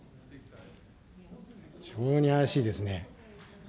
非常に怪しいですね。